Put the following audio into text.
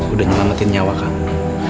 udah ngelamatin nyawa kamu